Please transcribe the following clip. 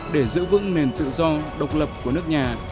để giữ vững nền tự do độc lập của nước nhà